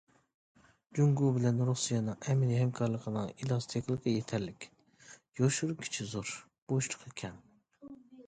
جۇڭگو بىلەن رۇسىيەنىڭ ئەمەلىي ھەمكارلىقىنىڭ ئېلاستىكلىقى يېتەرلىك، يوشۇرۇن كۈچى زور، بوشلۇقى كەڭ.